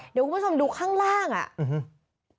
เดี๋ยวคุณผู้ชมดูข้างล่างอ่ะอืม